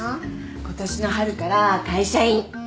ことしの春から会社員。